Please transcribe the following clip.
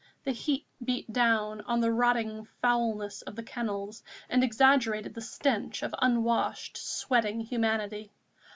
The heat beat down on the rotting foulness of the kennels and exaggerated the stench of unwashed, sweating humanity.